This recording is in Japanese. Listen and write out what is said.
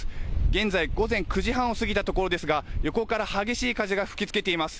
現在、午前９時半を過ぎたところですが、横から激しい風が吹きつけています。